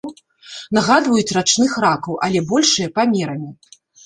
Нагадваюць рачных ракаў, але большыя памерамі.